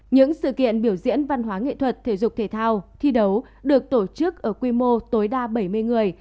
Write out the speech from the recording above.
những sự kiện biểu diễn văn hóa nghệ thuật thể dục thể thao thi đấu được tổ chức ở quy mô tối đa bảy mươi người